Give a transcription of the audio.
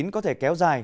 có thể kéo dài